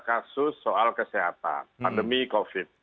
kasus soal kesehatan pandemi covid